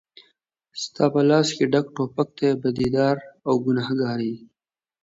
ستا په لاس کې ډک توپک دی بدي دار او ګنهګار یې